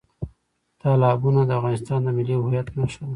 تالابونه د افغانستان د ملي هویت نښه ده.